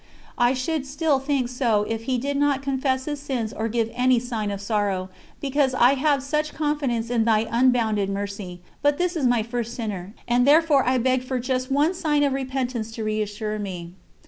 I should still think so if he did not confess his sins or give any sign of sorrow, because I have such confidence in Thy unbounded Mercy; but this is my first sinner, and therefore I beg for just one sign of repentance to reassure me."